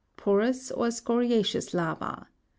Porous, or scoria'ceous lava.